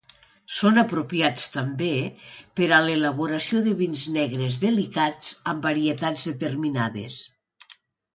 Són apropiats també per a l'elaboració de vins negres delicats amb varietats determinades.